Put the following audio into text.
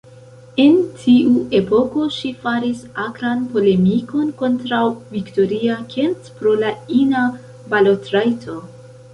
En tiu epoko ŝi faris akran polemikon kontraŭ Victoria Kent pro la ina balotrajto.